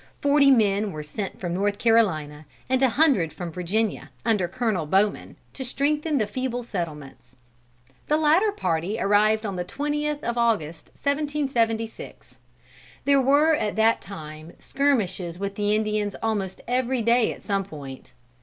Forty men were sent from North Carolina and a hundred from Virginia, under Colonel Bowman, to strengthen the feeble settlements. The latter party arrived on the twentieth of August, 1776. There were at that time skirmishes with the Indians almost every day at some point.